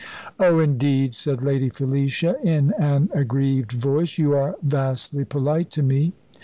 "Oh, indeed," said Lady Felicia in an aggrieved voice. "You are vastly polite to me."